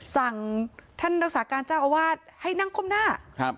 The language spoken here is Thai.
สั่งท่านรักษาการเจ้าอวาสให้นั่งก้มหน้า